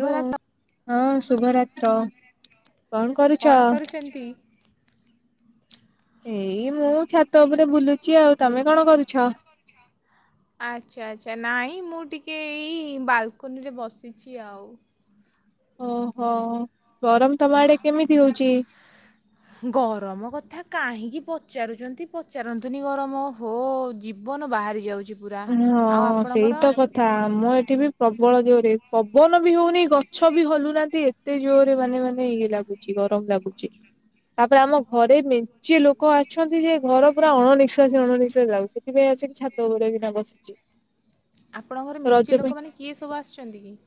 Hello ହଁ ଶୁଭରାତ୍ର କଣ କରୁଚ? ଏଇ ମୁଁ ଛାତ ଉପରେ ବୁଲୁଛି ଆଉ ତମେ କଣ କରୁଛ? ଆଚ୍ଛା ଆଚ୍ଛା ନାଇଁ ମୁଁ ଟିକଏ ଏଇ ବାଲ୍କୁନିରେ ବସିଚି ଆଉ। ଓହୋ ଗରମ୍ ତମ ଆଡ଼େ କେମିତି ହଉଚି? ଗରମ କଥା କାହିଁକି ପଚାରୁଚନ୍ତି ପଚାରୁନ୍ତୁନି ଗରମ ହୋ ଜୀବନ ବାହାରି ଯାଉଚି ହଁ ସେଇତ କ ଥା ଆମ ଏଠିବି ପ୍ରବଳ ଜୋରେ ପବନବି ହଉନି ଗଛବି ହଲୁନାହାନ୍ତି ଏତେ ଏତେ ଜୋରେ ମାନେ ମାନେ ଇଏ ଲାଗୁଚି ଗରମ୍ ଲାଗୁଚି। ତାପରେ ଆମ ଘରେ ମେଞ୍ଚେ ଲୋକ ଅଛନ୍ତିଯେ ଘର ପୁରା ଅଣ ନିିଶ୍ଵାସୀ ଅଣ ନିିଶ୍ୱାସୀ ଲାଗୁଚି। ସେଥିପାଇଁ ଆସିକି ଛାତ ଉପରେ ଏଇଖିନା ବସିଚି। ଆପଣଙ୍କ ଘରେ ମେଞ୍ଚେ ଲୋକ ମାନେ କିଏ ସବୁ ଆସିଚନ୍ତିକି?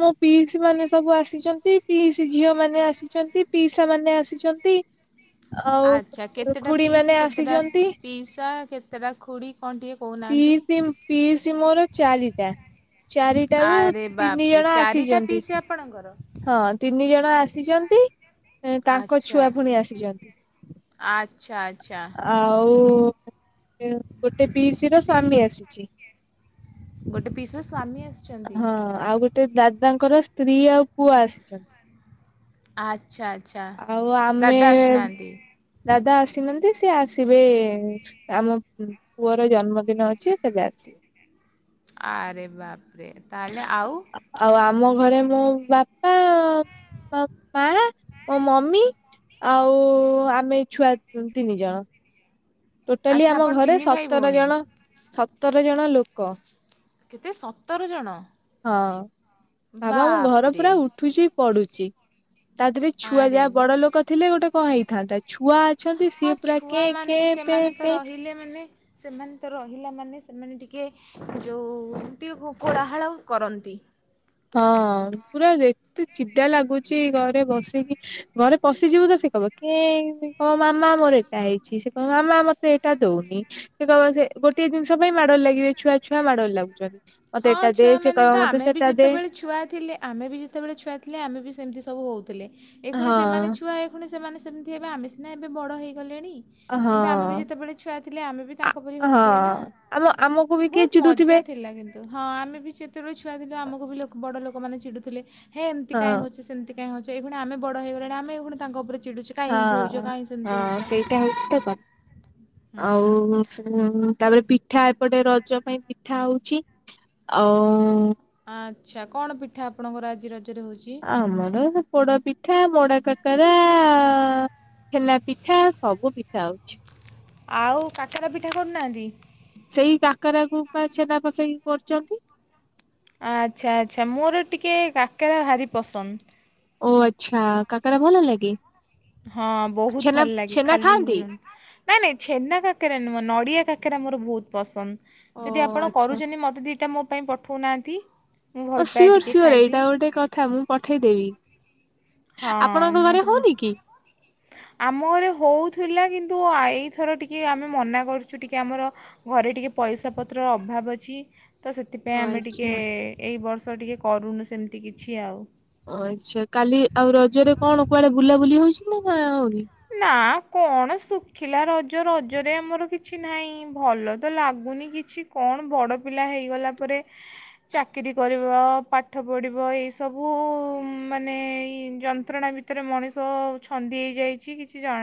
ମୋ ପିଇସୀ ମାନେ ସବୁ ଆସିଚନ୍ତି ପିଇସୀ ଝିଅ ମାନେ ଆସିଚନ୍ତି ପିଇସା ମାନେ ଆସିଚନ୍ତି। [inaudible] ଆଚ୍ଛା କେତେଟା ପିଇସୀ କେତେଟା ଆସିଛନ୍ତି ପିଇସା କେତେଟା ଖୁଡ଼ି କଣ ଟିକେ କହୁନାହାନ୍ତି? ପିଇସୀ ପିଇସୀ ମୋର ଚାରିଟା ଚାରିଟାରୁ ଆରେ ତିନି ବାପରେ ଜଣ ଚାରିଟା ଆସିଚନ୍ତି। ପିଇସି ଆପଣଙ୍କର? ହଁ ତିନି ଜଣ ଆସିଚନ୍ତି ତାଙ୍କ ଆଚ୍ଛା ଛୁଆ ପୁଣି ଆସିଛନ୍ତି। ଆଚ୍ଛା ଆଚ୍ଛା। ଆଉ ଗୋଟେ ପିଇସୀର ସ୍ଵାମୀ ଆସିଚି। ଗୋଟେ ପିଇସୀର ସ୍ଵାମୀ ଆସି ହଁ ଆଉ ଗୋଟେ ଦାଦାଙ୍କର ସ୍ତ୍ରୀ ଆଉ ପୁଅ ଆସିଛନ୍ତି। ଆଚ୍ଛା ଆଚ୍ଛା ଆଉ ଦାଦା ଆମେ ଆସିନାହାନ୍ତି? ଦାଦା ଆସିନାହାନ୍ତି ସିଏ ଆସିବେ ଆମ ପୁଅର ଜନ୍ମଦିନ ଅଛି ସେବେ ଆସିବେ। ଆରେ ବାପ୍ରେ ତାହେଲେ ଆଉ ଆଉ ଆମ ଘରେ ମୋ ବାପା ମା ମୋ ମମି ଆଉ ଆମେ ଛୁଆ ତିନି ଜଣ। ଟୋଟାଲି ଆଚ୍ଛା ଆମ ଆପଣ ଘରେ ତିନି ଭାଇ ସତର ଭଉଣୀ ଜଣ- ସତର ଜଣ ଲୋକ। କେତେ ସତର ଜଣ? ହଁ ଭାବ ଆମ ଘର ବାପରେ ପୁରା ଉଠ ଉଠୁଚି ପଡୁଚି ତା ଦି ରେ ଛୁଆ ଆରେ ଯାହା ବା ବଡ ଲୋକ ଥିଲେ ଗୋଟେ କଣ ହେଇଥାନ୍ତା। ଛୁଆ ଅଛନ୍ତି ହଁ ସିଏ ପୁରା କେଁ ଛୁଆମାନେ କେଁ ପେଁ ସେମାନେ ତ ପେଁ ରହିଲେ ମାନେ ସେମାନେ ତ ରହିଲା ମାନେ ସେମାନେ ଟିକେ ଯେଉ ଟିକେ କୋଳା ହାଳ କରନ୍ତି। ହଁ ପୁରା ଏତେ ଚିଡା ଲାଗୁଚି ଘରେ ବସିକି ଘରେ ପଶିଯିବୁ ତ ସେ କହିବ କେଁ କଣ ମାମା ମୋର ଏଟା ହେଇଚି ସେ କହିବ ମାମା ମତେ ଏଟା ଦଉନି। ସେ କହିବ ସେ ଗୋଟିଏ ଜିନିଷ ପାଇଁ ମାଡ ଲାଗିବେ ଛୁଆ ଛୁଆ ମାଡ଼ ଲାଗୁଚନ୍ତି। ମତେ ହଁ ଏଟା ଦେ ସେ ଛୁଆମାନେ କହିବ ତ ମତେ ଆମେ ବି ସେଟା ଦେ ଯେତେବେଳେ ଛୁଆ ଥିଲେ ଆମେ ବି ଯେତେବେଳେ ଛୁଆ ଥିଲେ ଆମେ ବି ସେମିତି ସବୁ ହଉଥିଲେ ଏଇଖୁଣି ସେମାନେ ହଁ ଛୁଆ ହେ ପୁଣୀ ସେମାନେ ସେମିତି ହେବେ ଆମେ ସିନା ଏବେ ବଡ ହେଇଗଲେଣି ହଁ କିନ୍ତୁ ଆମେ ବି ଯେତେବେଳେ ଛୁଆ ଥିଲେ ଆମେ ବି ଆ ତାଙ୍କ ପରି ହେଉଥିଲେ ନା। ହଁ ଆମ -ଆମକୁ ବି କିଏ ବହୁତ ମଜା ଚିଡୁଥିବେ ଥିଲା କିନ୍ତୁ ହଁ ଆମେ ବି ଯେତେବେଳେ ଛୁଆ ଥିଲୁ ଆମକୁ ବି ଲୋକ ବଡ ଲୋକମାନେ ଚିଡୁଥିଲେ ହେ ଏମିତି ହଁ କାଇଁ ହଉଚୁ ସେମତି କେଁ ହଉଚେ ଏଇଖୁଣି ଆମେ ବଡ ହେଇଗଲେଣି ଆମେ ଏଇଖୁଣି ତାଙ୍କ ଉପରେ ଚିଡୁଚେ ହଁ -ହଁ ସେଇଟା ହଉଚି ତ କ ହୁଁ -ଆଉ ସେ ଉଁ -ତାପରେ ପିଠା ଏପଟେ ରଜ ପାଇଁ ପିଠା ହଉଚି। ଆଉ ଆଚ୍ଛା କଣ ପିଠା ଆପଣଙ୍କର ଆଜି ରଜରେ ହଉଚି? ଆମର ପୋଡ ପିଠା, ମୋଡା କାକରା ହେଲା ପିଠା ସବୁ ପିଠା ହଉଛି। ଆଉ କାକେରା ପିଠା କରୁନାହାନ୍ତି? ସେଇ କାକରା କୁ ପା ଛେନା ପସେଇକି କରୁଚନ୍ତି। ଆଚ୍ଛା ଆଚ୍ଛା ମୋର ଟିକିେ କାକେରା ଭାରି ପସନ୍ଦ। ଓ ଆଚ୍ଛା କାକରା ଭଲ ଲାଗେ? ହଁ ବହୁତ ଛେନା ଭଲ ଲାଗେ ଛେନା ଖାଲି ଖାଆନ୍ତି [unintelligible] ନାଇଁ ନାଇଁ ଛେନା କାକେରା ନୁହଁ ନଡିଆ କାକେରା ମୋର ବହୁତ ପସନ୍ଦ। ଓ ଯଦି ଆପଣ ଆଚ୍ଛା। କରୁଛନ୍ତି ମୋତେ ଦୁଇଟା ମୋ ପାଇଁ ପଠଉନାହାଁନ୍ତି। ଓ ସିଓର ସିଓର ଏଇଟା ଗୋଟେ କଥା ମୁଁ ପଠେଇଦେବି। ହଁ ଆପଣଙ୍କ ମୋତେ ଘରେ ବହୁ- ହଉନି କି? ଆମ ଘରେ ହଉଥିଲା କିନ୍ତୁ ଏଇଥର ଟିକେ ଆମେ ମନା କରୁଛୁ ଟିକେ ଆମର ଘରେ ଟିକେ ପଇସା ପତ୍ରର ଅଭାବ ଅଛି। ତ ଓ ସେଥିପାଇଁ ଆମେ ଟିକିେ ଆଚ୍ଛା ଏଇ ବର୍ଷ ଟିକେ କରୁନୁ ସେମିତି କିଛି ଆଉ। ଓ ଆଚ୍ଛା କାଲି ଆଉ ରଜରେ କଣ କୁଆଡେ ବୁଲାବୁଲି ହଉଛି ନା ନା ଆଉ। ନା କଣ ଶୁଖିଲା ରଜ ରଜରେ ଆମର କିଛି ନାହିଁ। ଭଲ ତ ଲାଗୁନି କିଛି କଣ ବଡ ପିଲା ହେଇଗଲା ପରେ ଚାକିରି କରିବ ପାଠ ପଢ଼ିବ ଏସବୁ ମାନେ ଯନ୍ତଣା ଏଥିରେ ମଣିଷ ଛନ୍ଦି ହେଇଯାଇଛି କିଛିଣ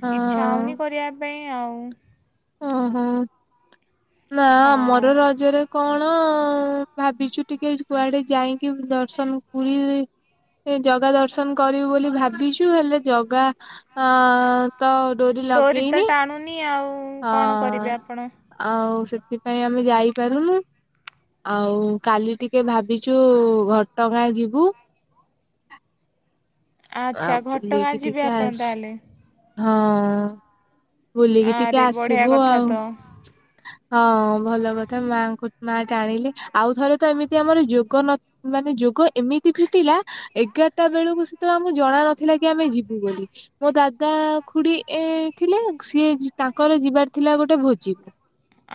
ହଁ ଇଚ୍ଛା ହେଉନି କରିବା ପାଇଁ ଆଉ। ଓହୋ ନା ହଁ ଆମର ରଜରେ କଣ ଭାବିଛୁ ଟିକେ କୁଆଡେ ଯାଇକି ଦର୍ଶନ ପୁରୀ ଜଗା ଦର୍ଶନ କରିବୁ ବୋଲି ଭାବିଛୁ ହେଲେ ଜଗା ଅ ତ ତୋରି ଡୋରି ତ ଟାଣୁନି ଆଉ କଣ ହଁ କରିବେ ଆପଣ ଆଉ ସେଥିପାଇଁ ଆମେ ଯାଇପାରୁନୁ। ଆଉ କାଲି ଟିକେ ଭାବିଛୁ ଘଟଗାଁ ଯିବୁ। ଥା ଆଚ୍ଛା ଘଟଗାଁ ବୁିଲିକି ଯିବେ ଟିକେ ଆପଣ ଆସ ତାହେଲେ ହଁ ବୁଲିକି ଟିକେ ଆରେ ବଢ଼ିଆ ଆସିବୁ କଥା ଆଉ। ତ ହଁ ଭଲ କଥା ମାଙ୍କୁ ମା ଟାଣିଲେ ଆଉ ଥରେ ତ ଏମିତି ଆମର ଯୋଗ ନ ମାନେ ଯୋଗ ଏମିତି ଫିଟିଲା ଏଗାରଟା ବେଳକୁ ତ ଆମକୁ ଜଣା ନଥିଲା କି ଆମେ ଯିବୁ ବୋଲି? ମୋ ଦାଦା ଖୁଡି ଏ ଥିଲେ ସିଏ ତାଙ୍କର ଯିବାର ଥିଲା ଗୋଟେ ଭୋଜିକୁ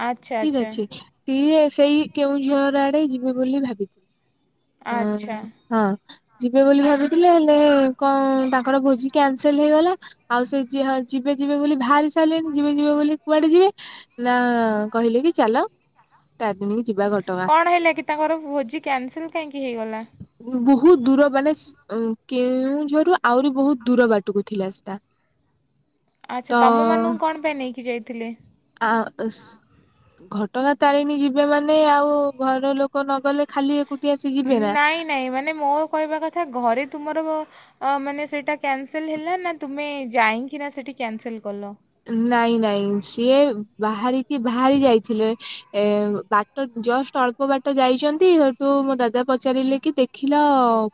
ଆଚ୍ଛା ଠିକ ଆଚ୍ଛା ଅଛି ସିଏ ସେଇ କେଉଁଝର ଆଡେ ଯିବେ ବୋଲି ଭାବିଥିଲେ ହ ଆଚ୍ଛା ହଁ ଯିବେ ବୋଲି ଭାବିଥିଲେ ହେଲେ କଣ ତାଙ୍କର ଭୋଜି କ୍ୟାନସେଲ ହେଇଗଲା। ଆଉ ସେ ଯଏ ହଁ ଯିବେ ଯିବେ ବୋଲି ବାହାରି ସାରିଲେଣି ଯିବେ ଯିବେ ବୋଲି କୁଆଡେ ଯିବେ? ନା କହିଲେ କି ଚାଲ ତାରି ଦିନ କି ଯିବା ଘ କଣ ହେଲା କି ତାଙ୍କର ଭୋଜି କ୍ୟାନସେଲ୍ କାହିଁକି ହେଇଗଲା? ବହୁତ ଦୂର ମାନେ କେଉଁଝରରୁ ଆହୁରି ବହୁତ ଦୂର ବାଟକୁ ଥିଲା ସେଟା ତ ଆଚ୍ଛା ତୁମମାନଙ୍କୁ କଣ ପାଇଁ ନେଇକି ଯାଇଥିଲେ? ଆ ସେ ଘଟଗାଁ ତାରେଣୀ ଯିବେ ମାନେ ଆଉ ଘର ଲୋକ ନଗଲେ ଖାଲି ଏକୁଟିି ଚିଲି ନାଇଁ ନାଇଁ ମାନେ ମୋ କହିବା କଥା ଘରେ ତୁମର ଅ ମାନେ ସେଇଟା କ୍ୟାନସେଲ ହେଲା ନା ତୁମେ ଯାଇକି ନା ସେଠି କ୍ୟାନସେଲ କଲ ନାଇଁ ନାଇଁ ସିଏ ବାହାରିକି ବାହାରି ଯାଇଥିଲେ ଏ ବା ଜଷ୍ଟ ଅଳ୍ପ ବାଟ ଯାଇଛନ୍ତି ସେଠୁ ମୋ ଦାଦା ପଚାରିଲେ କି ଦେଖିଲ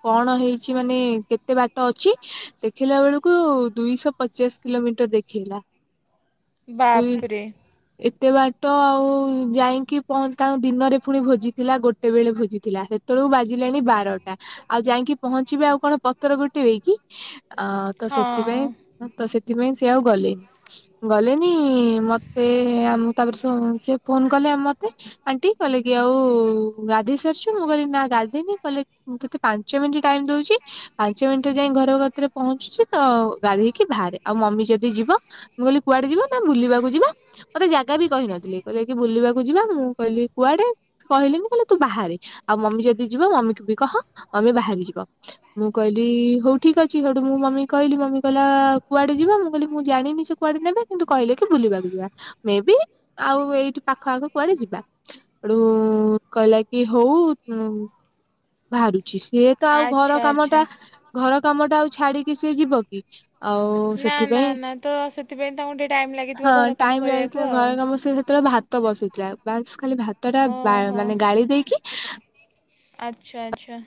କଣ ହେଇଛି ମାନେ କେତେ ବାଟ ଅଛି ଦେଖିଲା ବେଳକୁ ଦୁଇଶହ ପଚାଶ କିଲୋମିଟର ଦେଖେଇଲା ବାପରେ। ଏତେ ବାଟ ଆଉ ଯାଇକି ପହ ତାଙ୍କୁ ଦିନରେ ପୁଣି ଭୋଜି ଥିଲା ଗୋଟେ ସେତେବେଳେ ଭୋଜିଥିଲା ସେତେବେଳକୁ ବାଜିଲାଣି ବାରଟା। ଆଉ ଯାଇକି ପହଞ୍ଚିବେ ଆଉ କଣ ପତର ଗୋଟେଇବେ କି ଆଉ ତ ସେଥିପାଇଁ ହଁ ତ ସେଥିପାଇଁ ସିଏ ଆଉ ଗଲେନି ଗଲେନି ମତେ ଆମ ତାପରେ ସେ ଫୋନ କଲେ ମତେ ଆଣ୍ଟି କହଲେ କି ଆଉ ଗାଧେଇ ସାରିଛୁ ମୁଁ କହିଲି ନା ଗାଧେଇନି କହିଲେ? ମୁଁ ତତେ ପାଞ୍ଚ ମିନିଟ୍ ଟାଇମ ଦଉଛି। ପାଞ୍ଚ ମିନିଟ ଯାଇ ଘର କତିରେ ପହଞ୍ଚୁଛି ତ ଗାଧେଇକି ବାହାରେ ଆଉ ମମି ଯଦି ଯିବ ମୁଁ କହିଲି କୁଆଡେ ଯିବା ନା ବୁଲିବାକୁ ଯିବା? ମତେ ଜାଗା ବି କହିନଥିଲେ କହିଲେ କି ବୁଲିବାକୁ ଯିବା ମୁଁ କହିଲି କୁଆଡେ? କହିଲେନି କହିଲେ ତୁ ବାହାରେ ଆଉ ମମି ଯଦି ଯିବ ମମିକୁ ବି କହ ମମି ବାହାରି ଯିବ। ମୁଁ କହିଲି ହଉ ଠିକ ଅଛି ହଠୁ ମୁଁ ମମି କହିଲି ମମି କହିଲା କୁଆଡେ ଯିବ ମୁଁ କହିଲି ମୁଁ ଜାଣିନି। କୁଆଡେ ନେବେ କିନ୍ତୁ କହିଲେ କି ବୁଲିବାକୁ ଯିବା ମେ ବି ଆଉ ଏଇଠି ପାଖ ଆଖ କୁଆଡେ ଯିବା। ହେଠୁ କହିଲା କି ହଉ ଉ ବାହାରୁଛି ସିଏ ତ ଆଉ ଘର ଆଚ୍ଛା ଆଚ୍ଛା କାମଟା ଘର କାମଟା ଆଉ ଛାଡିକି ସିଏ ଯିବ କି? ଆଉ ନା ନା ସେଥିପାଇଁ ନା ତ ସେଥିପାଇଁ ତାଙ୍କୁ ଟି ହଁ ଟାଇମ ଲାଗିଥିଲା ଘରେ କାମ ସେ ସେତେବେଳେ ଭାତ ଭାତ ବସେଇଥିଲା ବାସ୍ ଖାଲି ଭାତଟା ଓହୋ ମାନେ ଗାଳି ଦେଇକି ଆଚ୍ଛା ଆଚ୍ଛା।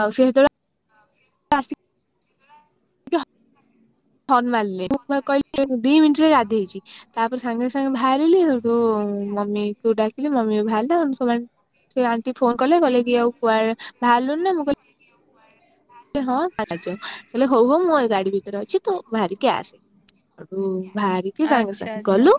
ଆଉ ସେତେବେଳେ ଆସି କା ହର୍ନ ମାରିଲେ କହିଲେ ଦି ମିନିଟରେ ଗାଧେଇଛି। ତାପରେ ସାଙ୍ଗେ ସାଙ୍ଗେ ବାହାରିଲି ସେଠୁ ମମିକୁ ଡାକିଲି ମମି ବି ବାହାରିଲାମାନେ ସେ ଆଣ୍ଟି ଫୋନ କଲେ କଲେ କି ଆଉ କୁଆଡେ ବାହାରଲୁନି ନା ମୁଁ କହିଲି ହଁ ହଉ ହଉ ମୁଁ ଏ ଗାଡି ଭିତରେ ଅଛି ତୁ ବାହାରିକି ଆସେ। ହେଠୁ ବାହାରିକି କି ସାଙ୍ଗେ ଆଚ୍ଛା ସାଙ୍ଗେ ଆଚ୍ଛା କଲୁ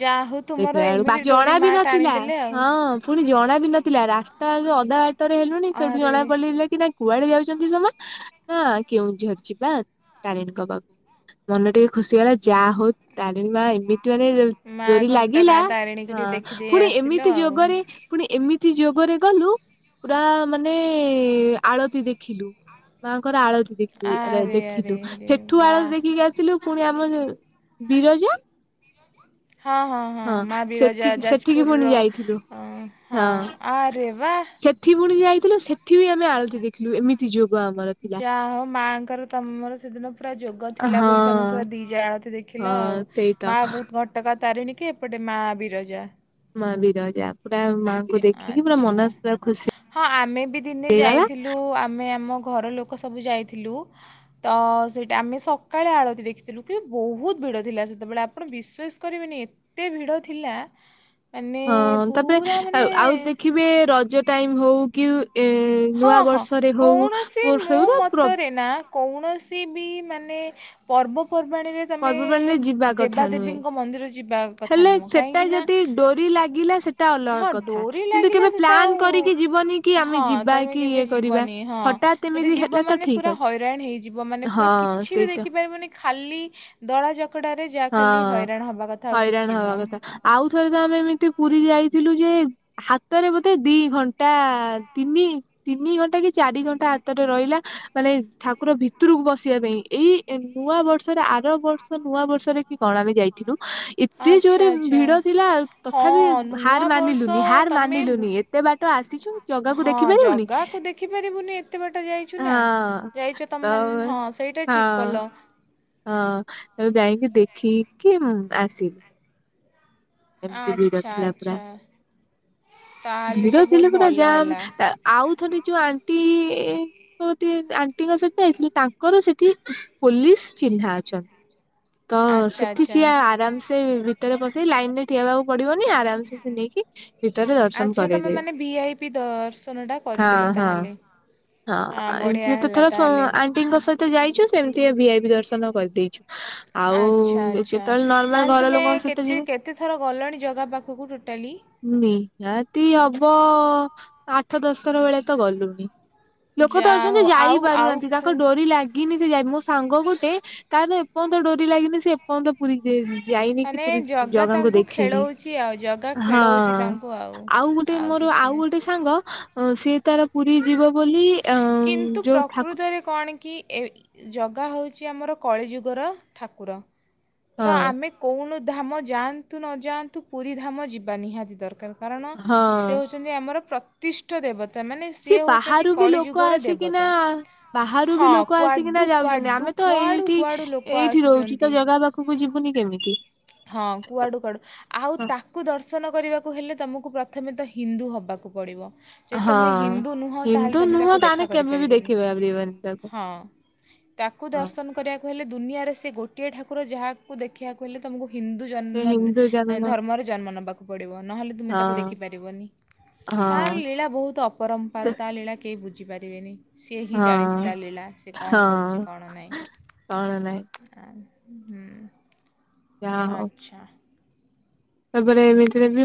ଯାହା ହଉ ତୁମର ଦେଖିଲା ବେଳକୁ ଏମିତି ବାଜି ଡୋରି ଅଣା ବି ମା ନଥିଲା ଟାଣିଦେଲେ ଆଉ ହଁ। ପୁଣି ଜଣା ବି ନଥିଲା ରାସ୍ତା ଯୋଉ ଅଧା ବାଟରେ ହେଲୁଣିି ସେଠୁ ଜଣା ଆରେ ପଡିଲା କି ନାଇଁ କୁଆଡେ ଯାଉଚୁ? ସ ନା କେଉଁଝର ଯିବା ତାରିଣୀଙ୍କ ପାଖକୁ ମନ ଟିକେ ଖୁସି ହେଇଗଲା ଯାହା ହଉ ତାରିଣି ମା ଏମିତି ମାନେ ମା ଡୋରି ଲାଗିଲା। ଘଟଗାଁ ତାରିଣୀକୁ ହଁ ଟିକେ ଦେଖିଦେଇ ପୁଣି ଆସିଲ ଏମିତି ଆଉ। ଯୋଗରେ ପୁଣି ଏମିତି ଯୋଗରେ ଗଲୁ ପୁରା ମାନେ ଆଳତି ଦେ ଖିଲୁ। ମାଙ୍କର ଆଳତି ଦେଖି ଆରେ ଆରେ ଦେଖିଲୁ। ଆରେ ସେଠୁ ଆଳତି ବାଃ। ଦେଖିକି ଆସିଲୁ ପୁଣି ଆମ ଯୋଉ ବିରଜା ହଁ ହଁ ହଁ। ମା ସେଠି ବିରଜା ସେଠିକି ପୁଣି ଯାଜପୁରର ଯାଇଥିଲୁ ଓ ହଁ ଆରେ ବା। ସେଠିକି ପୁଣି ଯାଇଥିଲୁ ସେଠି ବି ଆମେ ଆଳତି ଦେଖିଲୁ। ଏମିତି ତି ଯୋଗ ଆମର। ଥିଲା ଯାହା ହଉ ମାଆଙ୍କର ତମର ସେଦିନ ପୁରା ଯୋଗ ଥିଲା ହଁ ବୋଲି ତମେ ପୁରା ଦିଇଟା ଆଳତି ଦେଖିଲ ହଁ ଆଉ। ସେଇ ତ ମା ଘଟଗାଁ ତାରିଣୀ କି ଏପଟେ ମା ବିରଜା। ମା ବିରଜା ପୁରା ମା ଆଚ୍ଛା। ହଁ ଆମେ ବି ଦିନେ ହେଇଗଲା ଯାଇଥିଲୁ ଆମେ ଆମ ଘର ଲୋ କ ସବୁ ଯାଇଥିଲୁ ତ ସେଇଟା ଆମେ ସକାଳେ ଆଳତି ଦେଖିଥିଲୁ। କି ବହୁତ ଭିଡ଼ ଥିଲା ସେତେବେଳେ। ଆପଣ ବିଶ୍ୱାସ କରିବେନି ଏତେ ଭିଡ଼ ଥିଲା ମାନେ ହଁ। ତାପରେ ପୁରା ମାନେ ଆଉ ଆଉ ଦେଖିବେ ରଜ ଟାଇମ ହଉ କି ଏ ହଁ ନୂଆ ହଁ ବର୍ଷରେ ହଉ। କୌଣସି ମୋ [unintelligible] ମତରେ ନା କୌଣସି ବି ମାନେ ପର୍ବପର୍ବାଣିରେ ତମେ ପର୍ବପର୍ବାଣିରେ ଯିବା କଥା ନୁହେଁ। ଦେବାଦେବୀଙ୍କ ମନ୍ଦିର ଯିବା କଥା ହେଲେ ନୁହଁ। ସେଟା କାହିଁକି ନା ଯଦି ଡୋରି ଲାଗିଲା ସେଟା ଅଲଗା ହଁ କଥା ଡୋରି କିନ୍ତୁ ଲାଗିଲା କେବେ ସେଟା ପ୍ଲାନ୍ ଆଉ କରିକି ଯିବନି କି ଆମେ ହଁ ଯିବା ତମେ କି କେବେ ଇଏ କରିବା ଯିବନି ହଁ। ହଠାତ୍ ଯଦି ଏମିତି ଯିବ ହେଲା ତ ମାନେ ଠିକ ପୁରା ଅଛି। ହଇରାଣ ହେଇଯିବ। ମାନେ ହଁ ପୁରା କିଛି ବି ସେଇଟା ଦେଖି ପାରିବନି ଖାଲି ଦଳା ଚକଡାରେ ଯାହା ଖାଲି ହଁ। ହଇରାଣ ହବା କଥା ଆଉ ହଇରାଣ କିଛି ହବା ନୁହଁ। କଥା ଆଉ ଥରେ ତ ଆମେ ଏମିତି ପୁରୀ ଯାଇଥିଲୁ ଯେ ହାତରେ ବୋଧେ ଦି ଘଣ୍ଟା ତିନି ତିନି ଘଣ୍ଟା କି ଚାରି ଘଣ୍ଟା ହାତରେ ରହିଲା। ମାନେ ଠାକୁର ଭିତରକୁ ପଶିବା ପାଇଁ। ଏଇ ନୂଆ ବର୍ଷରେ ଆର ବର୍ଷ ନୂଆ ବର୍ଷ ରେ କି କଣ ଆମେ ଯାଇଥିଲୁ। ଏତେ ଆଚ୍ଛା ଜୋରେ ଆଚ୍ଛା ଭିଡ ଥିଲା ହଁ ତଥାପି ହାର ନୂଆବର୍ଷ ମାନିଲୁନି ହାର ତମେ ବୁ ମାନିଲୁନି। ଏ ଏତେ ବାଟ ଆସିଚୁ ଜଗାକୁ ହଁ ଦେଖିପାରିବୁନି। ଜଗାକୁ ଦେଖିପାରିବୁନି ଏତେ ବାଟ ଯାଇଛୁ ନା ହଁ। ଯାଇଛ ତ ତମେମାନେ ହଁ। ସେଇଟା ଠିକ୍ କଲ ହଁ ଆମେ ଯାଇଁକି ଦେଖିକି ଆସିଲୁ। ଏମିତି ଭିଡ ଆଚ୍ଛା ଥିଲା ପୁରା। ଆଚ୍ଛା ତାହେଲେ ତ ଭିଡ ବହୁତ ଥିଲା ପୁରା ଭଲ ଜାମ୍ ହେଲା ତା ଆଉ ଥରେ ଯୋଉ ଆଣ୍ଟି ଆଣ୍ଟିଙ୍କ ସହିତ ଯାଇଥିଲି ତାଙ୍କର ସେଠି ପୋଲିସ ଚିହ୍ନା ଅଛନ୍ତି। ତ ଆଚ୍ଛା ସେଠି ଆଚ୍ଛା ସିଏ ଆରାମ୍ ସେ ଭିତରେ ପସେଇ ଲାଇନ୍ ରେ ଠିଆ ହବାକୁ ପଡିବନି ଆରାମସେ ସେ ନେଇକି ଭିତରେ ଦର୍ଶନ ଆଚ୍ଛା ତମେ କରେଇଦେବେ ମାନେ ଭି ଆଇ ପି ଦର୍ଶନ ଟା ହଁ କରିଦେଲ ହଁ ତାହେଲେ। ହଁ। ଆ ବଢିଆ ଏମିତି ହେଲା ଯେତେଥର ସ ତାହେଲେ ଆଣ୍ଟିଙ୍କ ସହିତ ଯାଇଚୁ ସେମିତିଆ ଭି ଆଇ ପି ଦର୍ଶନ କରିଦେଇଚୁ। ଆଉ ଆଚ୍ଛା ଆଚ୍ଛା। ଯେତେବେଳେ ନର୍ମାଲ ତାହେଲେ ଘର ତୁମେ ଲୋକ ସହିତ ଯିବୁ କେତେ ଥର ଗଲଣି ଜଗା ପାଖକୁ ଟୋଟାଲି? ନିହାତି ହବ ଆଠ ଦଶ ଥର ଭଳିଆ ତ ଗଲୁଣି। ଲୋକ ତ ଯାହା ଅଛନ୍ତି ହଉ ଯାଇ ଆଉ ଆଉ ପାରୁନାହାନ୍ତି। ତାଙ୍କ କୋଉଠି ଡୋରି ଲା ଗିନି ସେ ଯାଇ, ମୋ ସାଙ୍ଗ ଗୋଟେ ତାର ଏପର୍ଯ୍ୟନ୍ତ ଡୋରି ଲାଗିନି ସେ ଏପର୍ଯ୍ୟନ୍ତ ପୁରୀ ଯାଇନି କି ମାନେ ପୁରୀ ଜଗା ଜଗାଙ୍କୁ ତାଙ୍କୁ ଦେଖିନି। ଖେଳଉଛି ଆଉ ଜଗା ହଁ। ଖେଳଉଛି ତାଙ୍କୁ ଆଉ ଗୋଟେ ମୋର କିଛି ଆଉ ନାହିଁ। ଗୋଟେ ସା ସାଙ୍ଗ ସିଏ ତାର ପୁରୀ ଯିବ ବୋଲି ଅ କିନ୍ତୁ ଯୋଉ ଠାକୁ ପ୍ରକୃତରେ କଣ କିଏ ଏ ଜଗା ହେଉଚି ଆମର କଳିଯୁଗର ଠାକୁର। ତ ହଁ ଆମେ କଉଣୁ ଧାମ ଯାଆନ୍ତୁ ନଯାଆନ୍ତୁ ପୁରୀ ଧାମ ଯିବା ନିହାତି ଦରକାର। କାରଣ ସେ ହଁ ହେଉଛନ୍ତି ଆମର ପ୍ର ପ୍ରତିଷ୍ଠ ଦେବତା ମାନେ ସେ ସିଏ ହଉଛନ୍ତି ବାହାରୁ ବି ଲୋକ କଳିଯୁଗର ଆସିକିନା ଦେବତା, ବାହାରୁ ବି ହଁ। ଲୋକ ଆସିକିନା କୁଆଡ଼ୁ ଯାଉଛନ୍ତି କୁଆଡୁ ଆମେ ତ କୁଆଡ଼ୁ କୁଆଡ଼ୁ ଲୋକ ଆସୁଛନ୍ତି। ପାଖ କୁ ଯିବୁନି କେମିତି? ହଁ କୁଆଡୁ କୁଆଡୁ ଆଉ ତାକୁ ଦର୍ଶନ କରିବାକୁ ହେଲେ ତମକୁ ପ୍ରଥମେ ତ ହିନ୍ଦୁ ହବାକୁ ପଡିବ। ଯଦି ହଁ। ତମେ ହିନ୍ଦୁ ନୁହ ତାହେଲେ ହିନ୍ଦୁ ତମେ ନୁହଁ ତାକୁ ତାହେଲେ ଦେଖା କେବେ ବି କରିପାରିବନି ଦେଖିପାରିବନି ତାକୁ ହଁ। ତାକୁ ହଁ। ଦର୍ଶନ କରିବାକୁ ହେଲେ ଦୁନିଆରେ ସେ ଗୋଟିଏ ଠାକୁର ଯାହାକୁ ଦେଖିବାକୁ ହେଲେ ତମକୁ ହିନ୍ଦୁ ସେ ଜନ୍ମ ହିନ୍ଦୁ ଜନ୍ମ ଧର୍ମରେ ଜନ୍ମ ନେବାକୁ ପଡିବ ନହେଲେ ତୁମେ ତାକୁ ହଁ ଦେଖି ପାରିବନି। ତାର ହଁ ଲୀଳା ବହୁତ ଅପରମ୍ପରା ତ ଲୀଳା କେହି ବୁଝି ପାରିବେନି। ସିଏ ହିଁ ଜାଣିଛି ହଁ ତା ଲୀଳା ସେ କଣ କରୁଛି ହଁ କଣନାହିଁ। କଣ ନାହିଁ ଆହ ଯାହା ହଉ ଆଚ୍ଛା। ତାପରେ ଏମିତିରେ ବି ମୁଁ